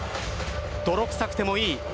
泥臭くてもいい。